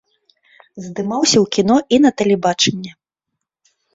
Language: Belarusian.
Здымаўся ў кіно і на тэлебачанні.